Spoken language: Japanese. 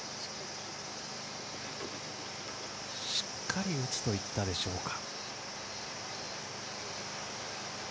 しっかり打つといったでしょうか？